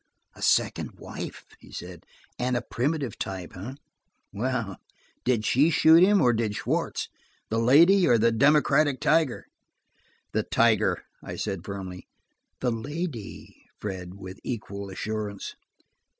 "A second wife!" he said, "and a primitive type, eh? Well, did she shoot him, or did Schwartz? The Lady of the Democratic Tiger?" "The Tiger," I said firmly. "The Lady," Fred, with equal assurance.